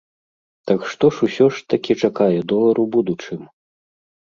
Так што ж усё ж такі чакае долар у будучым?